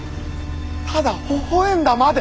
ただほほ笑んだまで！